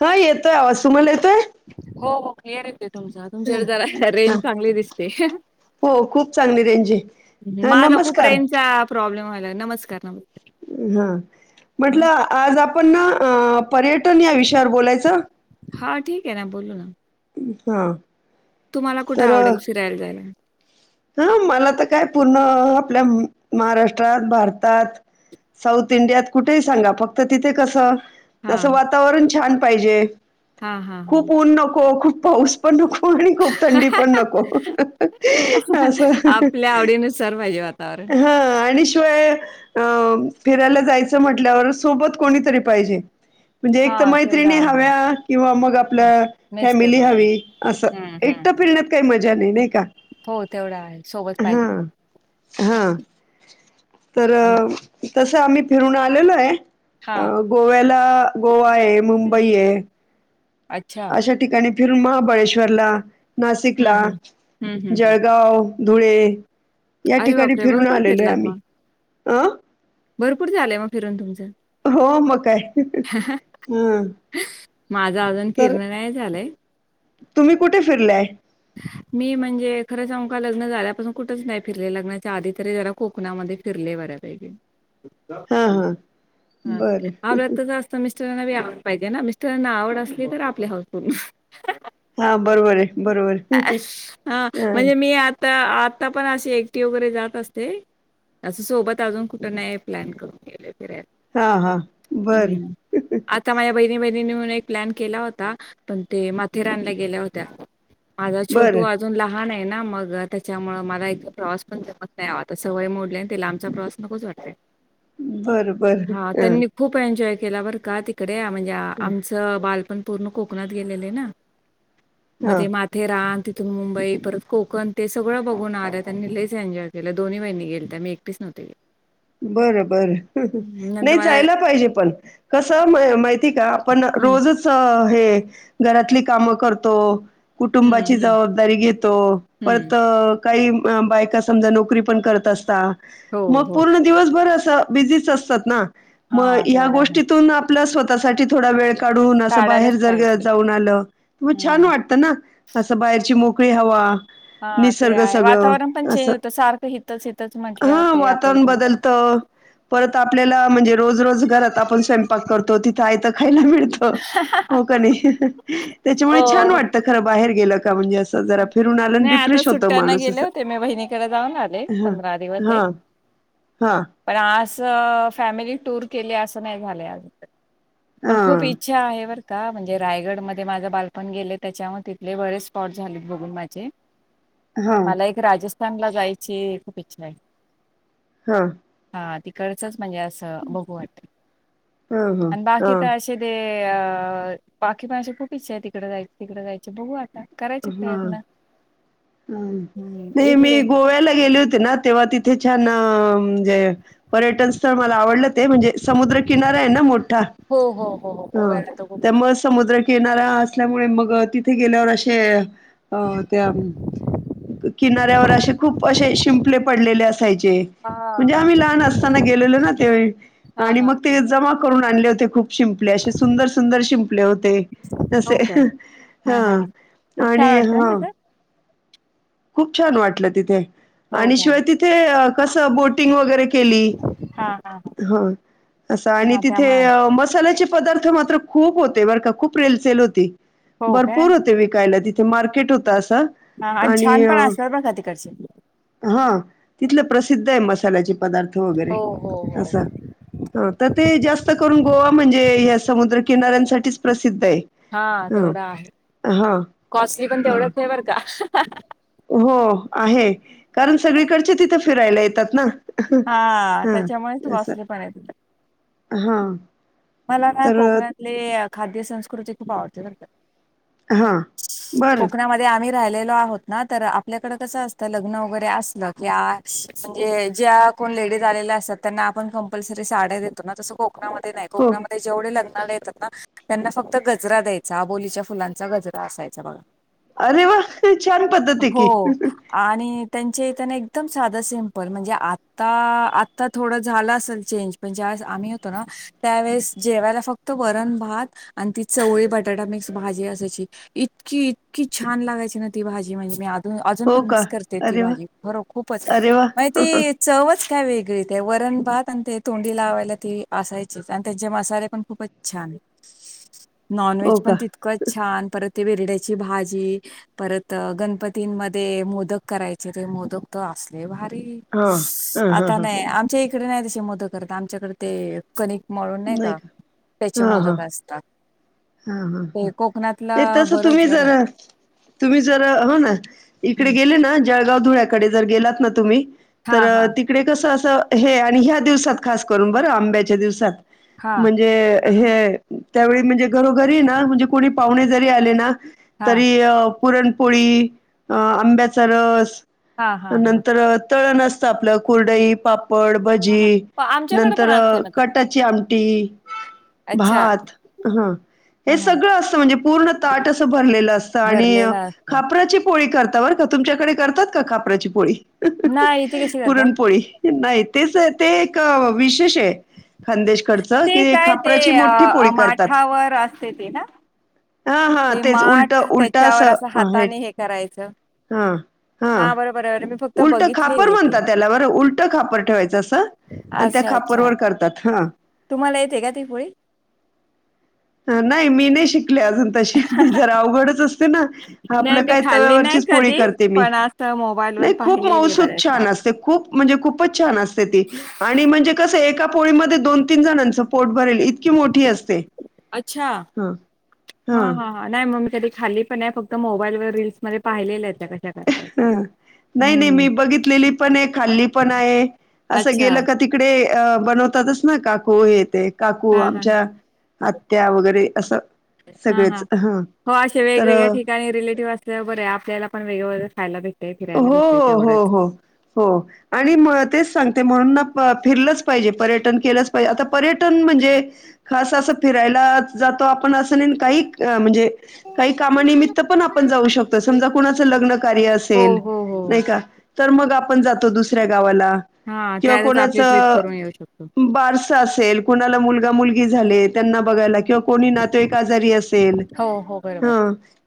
हा येतोय आवाज. तुम्हाला येतोय? हो हो क्लिअर येते तुमचा, तुमच्याकडे जरा हा. रेंज चांगली दिसते. हो खूप चांगली रेंज आहे. हा माझा खूप नमस्कार रेंजचा प्रॉब्लेम व्हायलाय. नमस्कार नमस्कार. हा म्हटलं आज आप आपण पर्यटन या विषयावर बोलायचं. हा ठीक आहे ना, बोलू ना. हा. तुम्हाला कुठे तर आवडेल फिरायला जायला? हा मला तर काय पूर्ण -आपल्या महाराष्ट्रात, भारतात साऊथ इंडियात कुठेही सांगा. फक्त तिथे कसं असं हां वातावरण छान पाहिजे. हां हां हां खूप ऊन नको, खूप पाऊस पण नको आणि खूप थंडी पण नको. आपल्या आवडीनुसार पाहिजे म हा आणि शिवाय अ फिरायला जायचं म्हटल्यावर सोबत कोणीतरी पाहिजे. म्हणजे एक तर हां तेवढं मैत्रिणी आहे हव्या किंवा मग आपल् मिस्टर फॅमिली वगैरे हवी असं. हं हं एकटं फिरण्यात काही मजा नई, नई का? तेवढा आहे. सोबत हा, पाहिजे हा. तर आणि तस आम्ही फिरून आलेलोय हां गोव्याला. गोवा आहे, मुंबई आहे. अच्छा. अशा ठिकाणी फिरून महाबळेश्वरला, हं नाशिकला, हं हं हं हं जळगाव. धुळे, या अरे ठिकाणी बापरे! फिरून भरपूर आलेलो आहे फिरलात आम्ही मग अं. भरपूर झालंय मग फिरून तुमचं? हो म काय हम्म. माझं अजून फिरणं नाही झालंय. तुम्ही कुठे फिरलाय? मी म्हणजे खरं सांगू का लग्न झाल्यापासून कुठच नाही फिरले. लग्नाच्या आधी तरी जरा कोकणामध्ये फिरले. [unintelligible] हा हा बर मिस्टरांना आवड पाहिजे ना. मिस्टरांना आवड असली तर आपली हाऊस पूर्ण. हा बरोबर आहे. बरोबर. हा म्हणजे मी आता-आता पण. अशी एकटी वगैरे जात असते. असं सोबत अजून कुठ नाही प्लॅन करून गेलेलो. फिरायला. हा हा बर हम्म. आता माझ्या बहिणी-बहिणी मिळून. एक प्लन केला होता. पण ते माथेरानला गेल्या होत्या. माझा छोटू बर अजून लहान आहे. मग त्याच्यामुळे मला एक प्रवास पण जमत नाही आता सवय मोडलिये ना. लांबचा प्रवास नकोच. वाटतय बर बर हा त्यांनी खूप एन्जॉय केला बर का तिकड. आमचं बालपण पूर्ण कोकणात गेला आहे ना. हा तेरान, तिथून मुंबई, परत कोकण, ते सगळं बघून आल्या त्यांनी लईच एन्जॉय केलं दोन्ही बहिणी गेल्या त्या. मी एकटीच नव्हते गेले. बर. बर हं, नंतर नाही मला जायला पाहिजे पण कसं माहि ते आहे का. आपण हं, रोजच हे घरातली कामं करतो. हं, कुटुंबाची हं, जबाबदारी घेतो. हं. परत काही बायका समजा नोकरी पण करत असता. हो मग हो. पूर्ण दिवसभर असं बिझीच असतात ना. मग हां, या तेवढं आहे. गोष्टीतून आपल्या स्वतःसाठी थोडा वेळ काढून अस काढायलाच बाहेर जर पाहिजे. जाऊन आलं. मग छान हं. वाटत ना? असं बाहेरची मोकळी हवा हा ते निसर्ग आहे सगळं वातावरण पण असं चेंज होतं. सारखं हितच-हितच म्हटल्यावर ते आपल्याला. पण हो. बदलत. परत आपल्याला म्हणजे रोज-रोज घरात आपण स्वयंपाक करतो तिथं आयत खायला मिळत. हो का नाही. त्याच्यामुळे छान वाटत खर बाहेर गेलं म्हणजे अस जरा फिरून आलं नाही, की. आता रिफ्रेश होतो सुट्ट्यांना माणूस गेले अस होते. मी बहिणीकडे जाऊन आले हा हा. हा. अस फॅमिली टूर केले असं नाही झालंय. पण खूप हां, इच्छा आहे बर का. का म्हणजे रायगड मध्ये माझं बालपण गेले. त्याच्यामुळे तिथले बरेच स्पॉट झालेत बघून माझे. हां, मला एक राजस्थानला जायची खूप इच्छा आहे. हा. हा तिकडचच म्हणजे अस बघू वाटत. हां, हां, बाकी हां, तर असे ते बाकी पण अशी खूप इच्छा आहे. तिकडे जाय तिकडे जायचे बघू आता. करायचे प्रयत्न. ह हम्म नाही मी इडले गोव्याला गेले होते ना. तेव्हा तिथे छान ना. आ म्हणजे. पर्यटन स्थळ मला आवडलं ते म्हणजे समुद्रकिनारा आहे ना मोठा. हो हो हो हो ह गोव्याला तर खूप त्यामुळे समुद्रकिनारा असल्यामुळे मग तिथे गेल्यावर असे अ त्या किनाऱ्यावर असे खूप असे शिंपले पडलेले असायचे. हा म्हणजे हा आम्ही लहान असताना गेलेलो ना त्यावेळी हा आणि हा मग ते जमा करून आणले होते. खूप शिंपले असे सुंदर-सुंदर शिंपले होते हो तसे काय हा खूप छान आणि वाटतं ना हां तसं खूप छान वाटलं तिथे हो आणि का शिवाय तिथे कस बोटिंग वगैरे केली हा हा होय आणि तसं आणि हा तिथे त्यामुळे मसाल्याची पदार्थ मात्र खूप होते बर का खूप रिल सेल होती. हो काय? भरपूर होते वि तिथे मार्केट होत अस हां आणि छान अ.. पण असतात बरं का तिकडचे. हं तिथले प्रसिद्ध आहे मस साल्याचे पदार्थ वगैरे हो, हो, अस हो. तर ते जास्त करुन गोवा म्हणजे या समुद्र किनाऱ्यांसाठीच प्रसिद्ध सिद्ध हां, आहे ह तेवढं आहे. हां कॉस्टली पण हां. तेवढंच नाही बर का. हो आहे कारण सगळीकडचे तिथं फिरायला येतात ना. हा हां, त्याच्यामुळेच असं. वासले पण आहे तिथं हां मला ना तर अ, कोकणातली खाद्यसंस्कृती खूप आवडते बर का. हा बरं कोकणामध्ये आम्ही राहिलेलो आहोत ना तर आपल्याकडे कस असत लग्न वगैरे असल कि जे आ कोण लेडीज आलेल्या असतात त्यांना आपण कंपल्सरी साड्या देतो ना तसं कोकणामध्ये नाही हो. कोकणामध्ये जेवढे लग [unintelligible] त्यांना फक्त गजरा द्यायचा, आबोलीच्या फुलांचा गजरा असायचा बघा. अरे वा, छान पद्धत हाय की. हो. आणि त्यांच्या इथना एकदम साधा सिंपल म्हणजे आता आता थोडं झाला असल चेंज म्हणजे - - आम्ही होतो ना त्यावेेळेस जेवायला फक्त वरण भात आणि ती चवळी बटाटा मिक्स भाजी असयची इ तकी इतकी छान लागायची ना ती भाजी म्हणजे मी आजून हो पण का मिस करते ती अरे वा भाजी खरो खूपच अरे वा मग ती हो चवच - - काय वेगळी ते वरण भात आणि ते तोंडी लावायला ती असाय - - त्यांचे मसाले पण खूपच छान. नॉन व्हेज पण का तितकचं छान परत - - ते वेरड्याची भाजी परत गणपतींमध्ये मोदक करायचे ते मोदक - - लयं भारी हा हा हा आता हा नाही आमच्या हि - - कडे नाही तसे मोदक करत. आमच्याकडे ते कनीक मळून नाही का त्याचे मोदक असतात. हंहं हं. ते कोकणातला ते तस बरंच तुम्ही बरंच जरा तुम्ही जरा हो ना इकडे हम्म. गेले ना जळगाव धुळ्याकडे जर गेलात ना तुम्ही तर हा हा तिकडे कसं अस - - तं हे आणि ह्या दिवसात खास करून बरं आंब्याच्या दिवसात हा म्हणजे हे - - त्यावेळी म्हणजे घरोघरी ना म्हणजे कोणी पाहुणे जरी आले ना हा तरी - - पुरणपोळी, आंब्याचा रस हा हा हा नंतर तळण असतं. आपलं कुरडई, पापड, हा भजी हा आमच्याकडे पण नंतर असते मग ते कटाची आम टी, अच्छा भात हा. हा हे हा सगळं असतं म्हणजे पूर्ण ताट असं भरलेलं असतं आणि भरलेला असत खापराची - - - पोळी करता बर का. तुमच्याकडे करतात खापराची पोळी? नाही इथे कशी करतात पुरणपोळी. नाही तेच ते एक विशेष आहे. खंदेश कडच ते कि काय खापराची मोठी पोळी करतात. तेथे ना. हा हा ते तेच उलट माठ उलट त्याच्यावर असं आहे हाताने हे करायचं हा हा. बरोबर बर मी फक्त उलट खापर बघितलेली ते म्हणतात त्याला बरं उलट खापर ठेवायचं असं आणि त्या अच्छा अच्छा खापरवर करतात हं. तुम्हाला येते का ती पोळी? ह नाही. मी नाही शिक अजून तशी जरा अवघडच असते ना, नाही आपलं मी काय खाल्ली नाही तव्यावरचीच पोळी कधी करते मी. पण असं मोबाईल नाही. वर खूप पाहिलेली आहे मउसूद बऱ्याचदा छान असते खूप म्हणजे खूपच छान असते ती आणि म्हणजे कसं हे एका पोळीमध्ये दोन तीन जणांचं पोट भरेल इतकी मोठी असते. अच्छा. ह हा हा हा नाही म मी कधी खाल्ली पण नाही. फक्त मोबाईल व रील्स मध्ये पाहिलेलं आहेत त्या कशा करताय हं. नाही नाही हम्म मी बघितलेली पण आहे, खाल्ली पण आहे असं अच्छा गेलं का तिकडे अ बनवतातच ना काकू हे ते काकू हा हा आमच्या आत्या वगैरे असं. हा सगळेच हा. हं हो असे वेगवेगळ्या तर ठिकाणी रिलेटिव्ह असल्या बरे आपल्याला पण वेगवेगळे हो हो हो हो हो आणि म तेच सांगते म्हणून ना फिरलंच पाहिजे. पर्यटन केलंच पाहिजे आता पर्यटन म्हणजे खास अस फिरायला आपण अस नाही काही म्हणजे काही कामानिमित्त पण आपण जाऊ शकतो समजा कुणाचं लग्न कार्य हो असेल हो हो नाही का, तर मग आपण जातो दुसऱ्या गावाला हां, किंवा त्यातच कोणाच आपली ट्रिप करून येऊ शकतो. बारस असेल कोणाला मुलगा मुलगी झाले त्यांना बघायला किंवा कोणी नातेवाईक आजारी असेल हो, हो, बरोबर. हा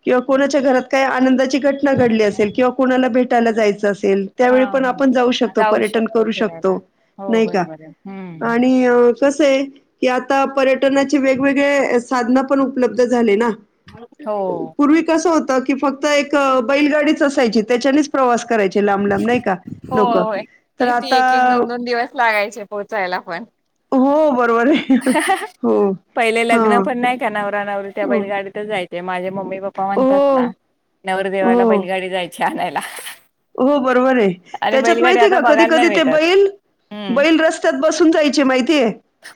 किंवा कोणाच्या घरात काय आनंदाची घटना घडली असेल किंवा कुणाला भेटायला जायचं असेल त्यावेळी हां, पण हां. आपण जाऊ शकतो. पर्यटन शकतो करू फिरायला. शकतो हो, नाही का. बरोबर आहे. हं. आणि अ कसं आहे? की आता पर्यटनाचे वेगवेगळे साधन पण उपलब्ध झाले ना. हो. पूर्वी कसं होतं, की फक्त एक बैलगाडीच असायची त्याच्यानेच प्रवास करायचे लांब लांब नाही का हो, लोक हो. तर किती आता दिवस लागायचे पोहोचायला पण हो, बरोबर आहे. अहं अहं हो. पहिले लग्न हां. पण नाही का नवरा नवरीपण त्या हो. बैलगाडीत जाय ते माझे मम्मी पप्पा हो, म्हणतात ना नवरदेवाला हो. बैलगाडी जायची आणायला. हो बरोबर आहे. आणि त्याच्यात बैलगाडी माहितीय आता का कधी बघायला नाही कधी ते भेटत. बैल हं. बैल रस्त्यात बसून जायचे माहितीये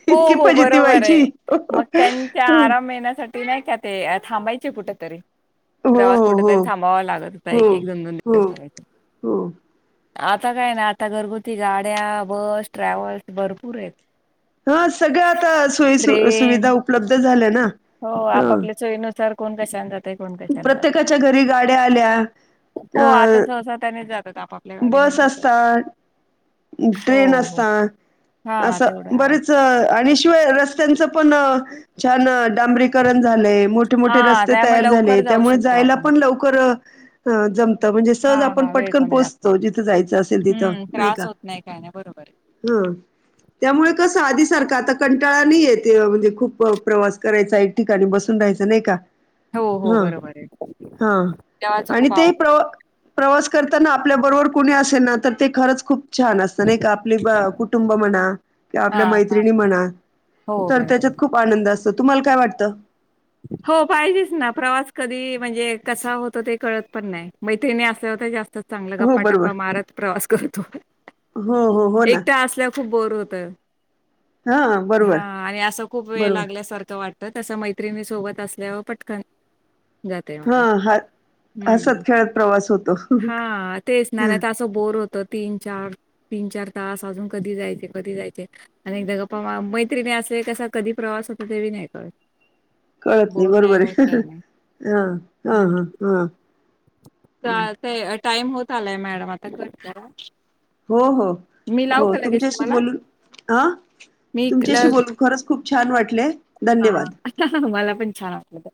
हो इतकी हो फजिती बरोबर व्हायची. आहे, हो, मग त्यांच्या आराम येण्या नाही का ते थांबायचे कुठ तरी प्रवास हो, हो, कुठेतरी थांबावा लागत होता हो, एक एक, दोन दोन हो, दिवस लागायचे. हो. आता काय ना आता घरगुती गाड्या, बस ट्रॅव्हल्स भरपूर आहेत. ह सगळं आता सोयी ट्रेन सुविधा उपलब्ध झाल्या ना. हो. हं, आपापल्या सोयीनुसार कोण कशा जात कोण कशाने जात. प्रत्येकाच्या घरी गाड्या आल्या. हो आता अ, सहसा त्याने जात बस असतात. हो ट्रेन हो असता हा तेवढं असं आहे. बरेच आणि शिवाय रस्त्यांचं पण छान डांबरीकरण झालंय मोठे मोठे हा रस्ते त्यामुळे तयार झाले, लवकर जाऊ त्यामुळे शकतो जायला आपण पण लवकर जमत म्हणजे हा सहज आपण हा वेळ पटकन कमी लागतो. पोचतो जिथं जायचं असेल तिथं हम्म नाही का. त्रास होत नाही काय नाही बरोबर आहे हा. त्यामुळे कस आधी सारखा आता कंटाळा नाही येत, म्हणजे खूप प्रवास करायचा एक ठिकाणी बसून राहायच नाही का. हो हो ह. बरोबर आहे. हा तेव्हाच आणि खूप ते अवघड प्र प्रवास करताना आपल्या बरोबर कोणी असेल ना तर ते खरंच खूप छान असत नाही का आपली कुटुंब म्हणा किंवा हा आपल्या हा मैत्रिणी म्हणा हो तर बरोबर. आहे. त्याच्यात खूप आनंद असतो तुम्हाला काय वाटतं हो पाहिजेच ना प्रवास कधी म्हणजे कसा होतो ते कळत पण नाही मैत्रिणी असल्या होता जास्त चांगला हो बरोबर गप्पाटप्पा मारत प्रवास करतो हो हो हो ना एकट असल्या खूप बोर होत हा आणि असा खूप वेळ बरोबर लागल्यासारखं वाटत तस मैत्रिणी सोबत असल्यावर पटकन जातय हा माणूस ह हसत हम्म खेळत प्रवास होतो हा तेच ना नाही त असं बोर होतो तीन चार तीन चार तास अजून कधी जायचे कधी जायचे आणि एकदा गपा मैत्रिणी असं कसा कधी प्रवास त ते नाही का कळत नाही बरोबर आहे हा हा हा हा ह ते टाइम होत आलाय मॅडम आता हो हो मी लावू हो का लगेच तुमच्याशी तुम्हाला? बोलून ह मी तुमच्याशी ल- बोलून खरंच खूप छान वाटलंय हा मला पण छान वाटते